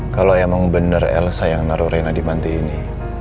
kalau emang bener elsa yang naro rena di manti ini